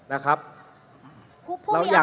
คุณเขตรัฐพยายามจะบอกว่าโอ้เลิกพูดเถอะประชาธิปไตย